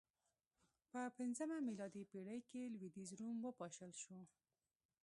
په پنځمه میلادي پېړۍ کې لوېدیځ روم وپاشل شو